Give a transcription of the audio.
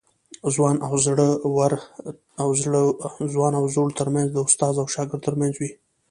ځوان او زوړ ترمنځ د استاد او شاګرد ترمنځ وي.